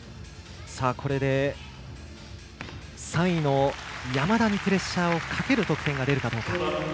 これで３位の山田にプレッシャーをかける得点が出るかどうか。